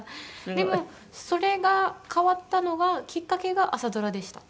でもそれが変わったのがきっかけが朝ドラでした。